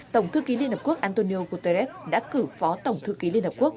tổng thư ký liên hợp quốc antonio guterres đã cử phó tổng thư ký liên hợp quốc